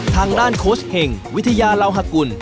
ทางด้านโคชเฮงวิทยาเหล้าฮกุล